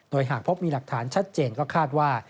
โดยหากพบมีหลักฐานชัดเจนก็คาดว่า